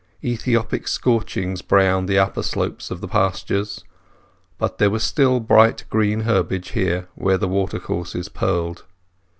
Ethiopic scorchings browned the upper slopes of the pastures, but there was still bright green herbage here where the watercourses purled.